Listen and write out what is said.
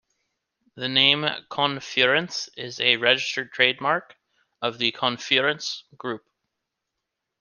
The name ConFurence is a registered trademark of the ConFurence Group.